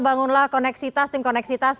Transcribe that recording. bangunlah koneksitas tim koneksitas